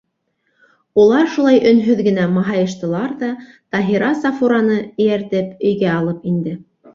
Улар шулай өнһөҙ генә маһайыштылар ҙа, Таһира Сафураны эйәртеп өйгә алып инде.